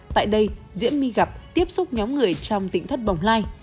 tại đây diễn my gặp tiếp xúc nhóm người trong tỉnh thất bồng lai